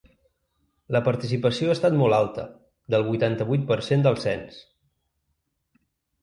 La participació ha estat molt alta, del vuitanta-vuit per cent del cens.